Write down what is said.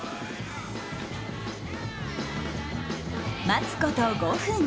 待つこと５分。